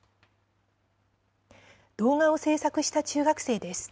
動画を制作した中学生です。